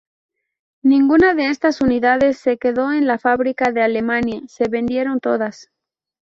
Ninguna de estas unidades se quedó en la fábrica de Alemania, se vendieron todas.